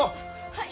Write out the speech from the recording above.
はい！